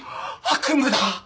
悪夢だ。